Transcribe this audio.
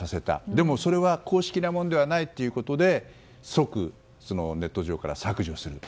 でもそれは公式なものではないということで即ネット上から削除する。